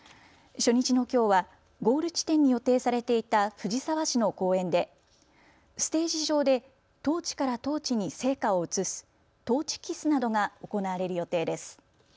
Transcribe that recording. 初日のきょうはゴール地点に予定されていた藤沢市の公園でステージ上でトーチからトーチに聖火を移すトーチキスなどが行われる予定です。